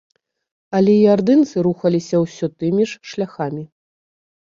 Але і ардынцы рухаліся ўсё тымі ж шляхамі.